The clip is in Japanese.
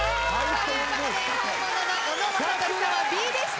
ということで本物の小野正利さんはＢでした。